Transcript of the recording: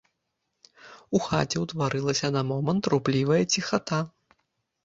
У хаце ўтварылася на момант руплівая ціхата.